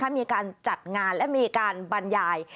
มีการจัดงานและมีการบรรยาย